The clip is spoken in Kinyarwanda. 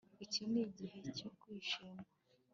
Iki ni igihe cyo kwishima